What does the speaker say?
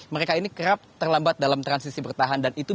mereka ini kerap terlambat dalam transisi bertahan dan itu dibutuhkan